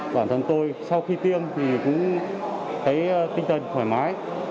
bản thân tôi sau khi tiêm thì cũng thấy tinh thần thoải mái